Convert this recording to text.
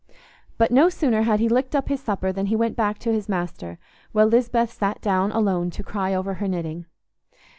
But no sooner had he licked up his supper than he went back to his master, while Lisbeth sat down alone to cry over her knitting.